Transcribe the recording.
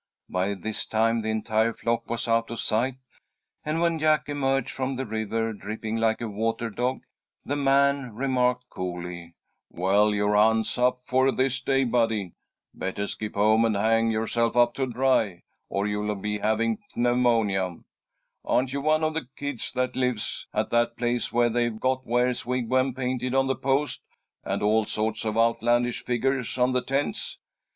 By this time the entire flock was out of sight, and when Jack emerged from the river dripping like a water dog, the man remarked, coolly: "Well, your hunt's up for this day, Buddy. Better skip home and hang yourself up to dry, or you'll be having pneumonia. Aren't you one of the kids that lives at that place where they've got Ware's Wigwam painted on the post, and all sorts of outlandish figgers on the tents?"